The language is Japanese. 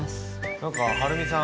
何かはるみさん